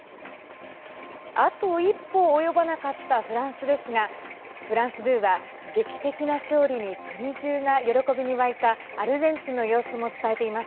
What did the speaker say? あと一歩及ばなかったフランスですがフランス２は、劇的な勝利に国じゅうが喜びに沸いたアルゼンチンの様子も伝えています。